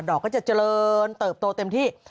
อกก็จะเจริญเติบโตเต็มที่